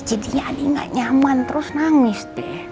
jadinya adik gak nyaman terus nangis